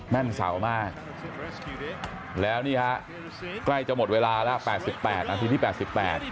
แม่นเสามากแล้วนี่ครับใกล้จะหมดเวลาแล้ว๘๘นาทีนี้๘๘